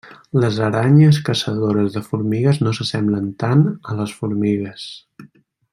Les aranyes caçadores de formigues no s'assemblen tant a les formigues.